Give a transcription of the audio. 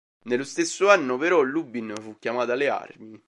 Nello stesso anno, però, Lubin fu chiamato alle armi.